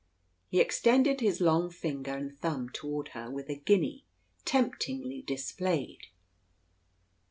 He extended his long finger and thumb toward her, with a guinea temptingly displayed.